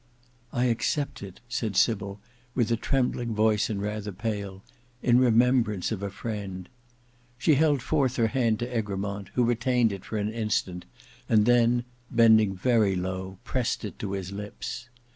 "I accept it," said Sybil with a trembling voice and rather pale, "in remembrance of a friend." She held forth her hand to Egremont, who retained it for an instant, and then bending very low, pressed it to his lips.